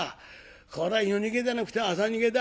こら夜逃げじゃなくて朝逃げだ。